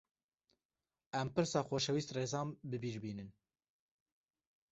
Em pirsa xoşewîst Rêzan bi bîr bînin